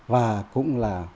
và cũng là